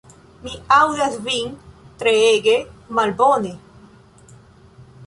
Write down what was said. Mi aŭdas vin treege malbone.